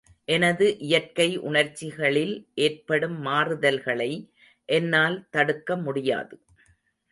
எனது இயற்கை உணர்ச்சிகளில் ஏற்படும் மாறுதல்களை என்னால் தடுக்க முடியாது.